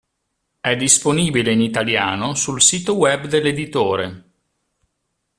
È disponibile in italiano sul sito web dell'editore.